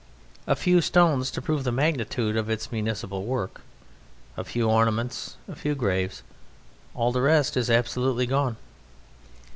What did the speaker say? A few stones to prove the magnitude of its municipal work, a few ornaments, a few graves all the rest is absolutely gone.